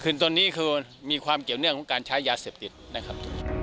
คือตอนนี้คือมีความเกี่ยวเนื่องของการใช้ยาเสพติดนะครับ